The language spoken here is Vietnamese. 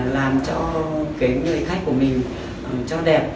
làm cho cái người khách của mình cho đẹp